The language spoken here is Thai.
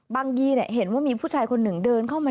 บางยี่เห็นว่ามีผู้ชายคนหนึ่ง